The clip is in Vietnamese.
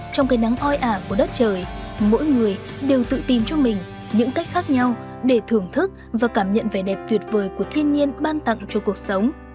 trong cây nắng oi ả của đất trời mỗi người đều tự tìm cho mình những cách khác nhau để thưởng thức và cảm nhận vẻ đẹp tuyệt vời của thiên nhiên ban tặng cho cuộc sống